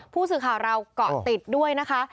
ผู้สื่อข่าวเราเกาะติดด้วยนะคะ